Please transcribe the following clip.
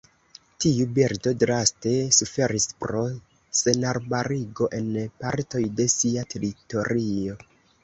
Tiu birdo draste suferis pro senarbarigo en partoj de sia teritorio.